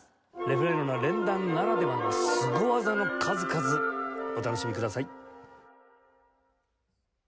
レ・フレールの連弾ならではのスゴ技の数々お楽しみください。